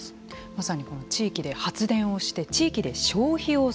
まさにこの地域で発電をして地域で消費をする。